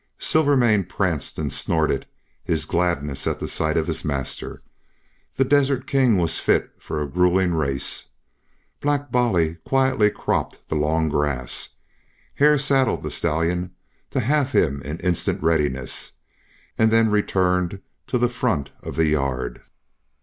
Silvermane pranced and snorted his gladness at sight of his master. The desert king was fit for a grueling race. Black Bolly quietly cropped the long grass. Hare saddled the stallion to have him in instant readiness, and then returned to the front of the yard.